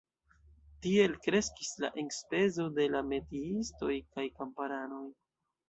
Tiel kreskis la enspezo de la metiistoj kaj kamparanoj.